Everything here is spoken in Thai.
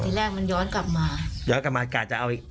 ที่แรกมันย้อนกลับมา